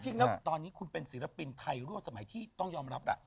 จริงแล้วตอนนี้คุณเป็นศิลปินไทยรั่วสมัยที่ต้องยอมรับล่ะ